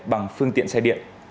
bằng phương tiện xe điện